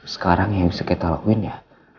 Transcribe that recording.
sekarang yang bisa kita lakuin ya